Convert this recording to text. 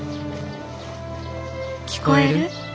「聞こえる？